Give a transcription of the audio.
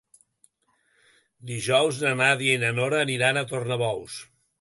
Dijous na Nàdia i na Nora aniran a Tornabous.